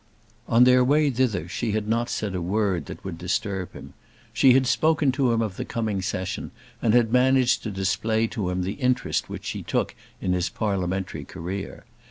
On their way thither she had not said a word that would disturb him. She had spoken to him of the coming Session, and had managed to display to him the interest which she took in his parliamentary career.